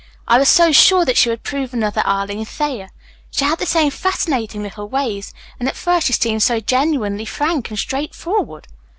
"I was so sure that she would prove another Arline Thayer. She had the same fascinating little ways and at first she seemed so genuinely frank and straightforward."